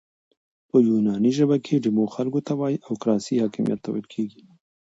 په یوناني ژبه کښي ديمو خلکو ته وایي او کراسي حاکمیت ته ویل کیږي.